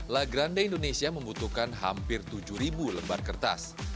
la grande indonesia membutuhkan hampir tujuh lembar kertas